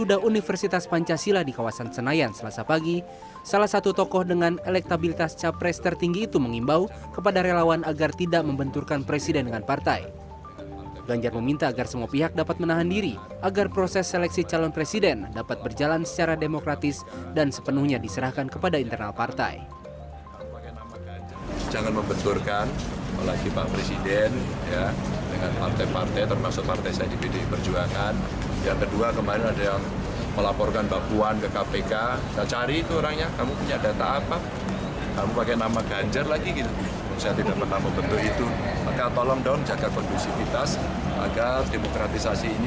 dan sepenuhnya diserahkan kepada internal partai